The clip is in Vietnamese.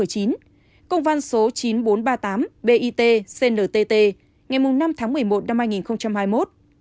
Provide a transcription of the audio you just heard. công văn số chín nghìn bốn trăm ba mươi tám bit cntt ngày năm tháng một mươi một năm hai nghìn hai mươi một